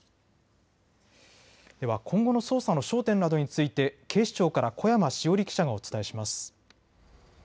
では今後の捜査の焦点などについて警視庁から小山志央理記者がお伝えします。